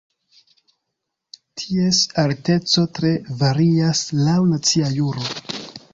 Ties alteco tre varias laŭ nacia juro.